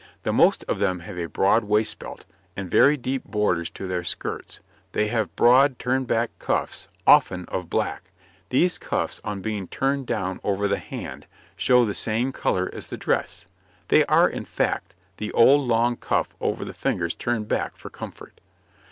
The most of them have a broad waist belt, and very deep borders to their skirts; they have broad, turned back cuffs, often of black. These cuffs, on being turned down over the hand, show the same colour as the dress; they are, in fact, the old long cuff over the fingers turned back for comfort.